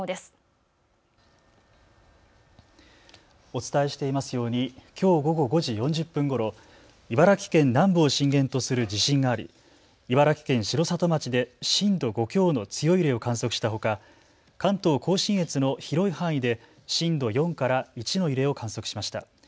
お伝えしていますようにきょう午後５時４０分ごろ、茨城県南部を震源とする地震があり、茨城県城里町で震度５強の強い揺れを観測したほか関東甲信越の広い範囲で震度４から１の揺れを観測しました。